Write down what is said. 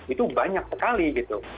itu banyak sekali gitu